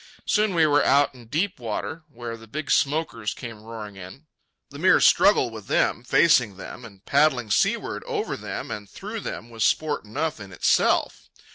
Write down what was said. Soon we were out in deep water where the big smokers came roaring in. The mere struggle with them, facing them and paddling seaward over them and through them, was sport enough in itself.